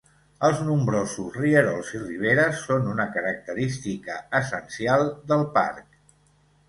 Els nombrosos rierols i riberes són una característica essencial del parc.